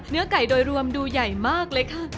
เนื้อไก่โดยรวมดูใหญ่มากเลยค่ะ